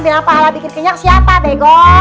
bila pahala bikin kenyang siapa bego